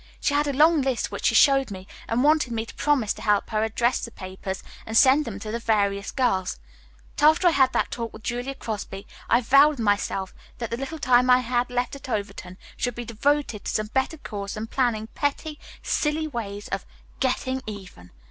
She had a long list, which she showed me, and wanted me to promise to help her address the papers and send them to the various girls. But after I had that talk with Julia Crosby I vowed within myself that the little time I had left at Overton should be devoted to some better cause than planning petty, silly ways of 'getting even.'